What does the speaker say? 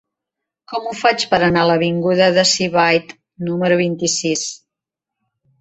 Com ho faig per anar a l'avinguda de Sivatte número vint-i-sis?